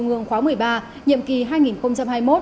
trung ương khóa một mươi ba